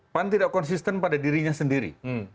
pan tidak konsisten pada dirinya sendiri